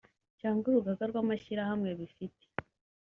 cyangwa urugaga rw amashyirahamwe bifite